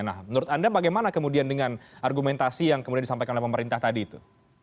nah menurut anda bagaimana kemudian dengan argumentasi yang kemudian disampaikan oleh pemerintah tadi itu